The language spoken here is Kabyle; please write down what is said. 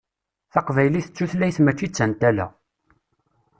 Taqbaylit d tutlayt mačči d tantala.